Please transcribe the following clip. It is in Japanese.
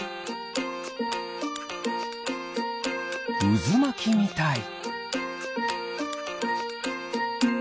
うずまきみたい。